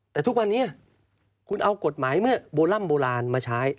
แต่ทุกวันนี้คุณเอากฎหมายเมื่อโบร่ำโบราณมาใช้